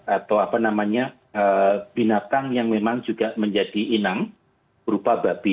atau apa namanya binatang yang memang juga menjadi inang berupa babi